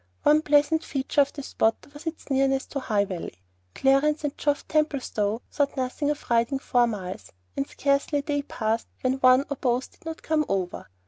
One pleasant feature of the spot was its nearness to the High Valley. Clarence and Geoff Templestowe thought nothing of riding four miles; and scarcely a day passed when one or both did not come over.